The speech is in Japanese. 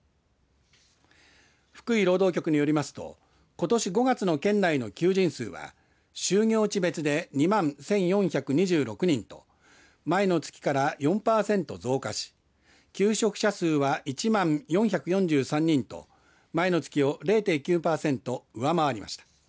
福井労働局によりますとことし５月の県内の求人数は就業地別で２万１４２６人と前の月から４パーセント増加し求職者数は１万４４３人と前の月を０．９パーセント上回りました。